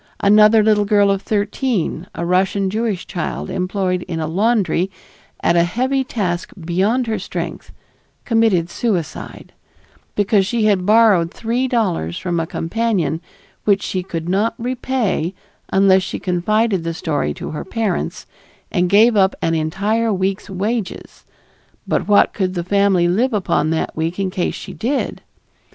Another little girl of thirteen, a Russian Jewish child employed in a laundry at a heavy task beyond her strength, committed suicide, because she had borrowed three dollars from a companion which she could not repay unless she confided the story to her parents and gave up an entire week's wages but what could the family live upon that week in case she did!